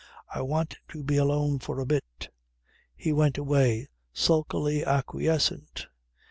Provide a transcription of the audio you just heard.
I want to be alone for a bit." He went away, sulkily acquiescent.